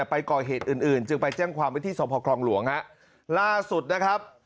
ไปก่อเหตุอื่นอื่นจึงไปแจ้งความไว้ที่สพครองหลวงฮะล่าสุดนะครับ